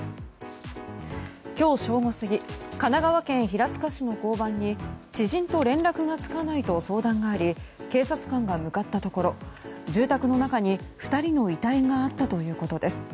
今日正午過ぎ神奈川平塚市の交番に知人と連絡がつかないと相談があり警察官が向かったところ住宅の中に２人の遺体があったということです。